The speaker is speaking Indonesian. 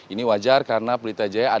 ini wajar karena pelita jaya ini akan menang